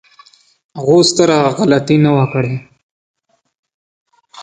هغوی ستره غلطي نه وه کړې.